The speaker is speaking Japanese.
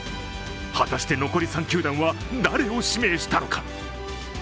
果たして、残り３球団は誰を指名したのか？